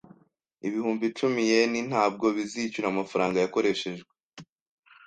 Ibihumbi icumi yen ntabwo bizishyura amafaranga yakoreshejwe